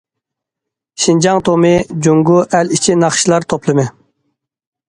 شىنجاڭ تومى»،« جۇڭگو ئەل ئىچى ناخشىلار توپلىمى.